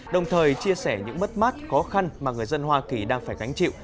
đồng thời chia sẻ những mất mát khó khăn mà người dân hoa kỳ đang phải gánh chịu